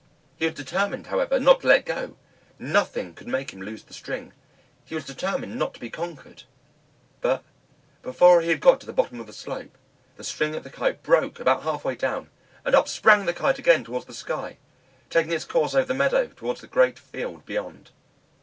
He was determined, however, not to let go; nothing could make him loose the string; he was determined not to be conquered; but before he had got to the bottom of the slope, the string of the Kite broke about half way down, and up sprang the Kite again towards the sky, taking its course over the meadow towards the great field beyond.